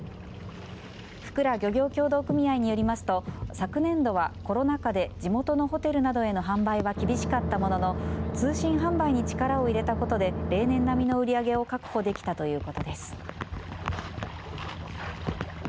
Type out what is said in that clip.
福良漁業協同組合によりますと昨年度はコロナ禍で地元のホテルなどへの販売は厳しかったものの通信販売に力を入れたことで例年並みの売り上げを確保できたということです。